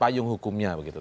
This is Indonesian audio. payung hukumnya begitu